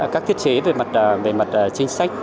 các thiết chế về mặt chính sách